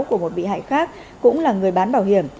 của một bị hại khác cũng là người bán bảo hiểm